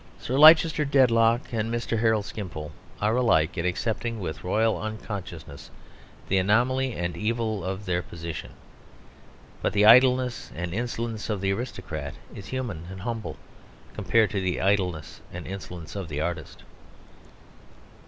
Sir Leicester Dedlock and Mr. Harold Skimpole are alike in accepting with a royal unconsciousness the anomaly and evil of their position. But the idleness and insolence of the aristocrat is human and humble compared to the idleness and insolence of the artist.